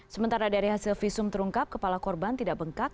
sementara dari hasil visum terungkap kepala korban tidak bengkak